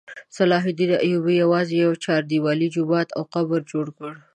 صلاح الدین ایوبي یوازې یوه چاردیوالي، جومات او قبر جوړ کړ.